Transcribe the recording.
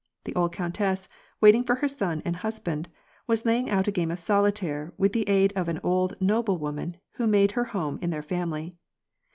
The old countess, waiting for her son and husband, was laying out a game of solitaire with the aid of an old noblewoman who made her home in their family.